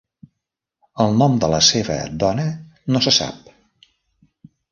El nom de la seva dona no se sap.